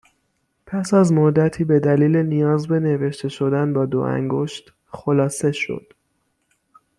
پس از مدّتی به دلیل نیاز به نوشتهشدن با دو انگشت، خلاصه شد